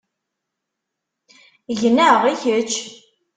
Gneɣ, i kečč?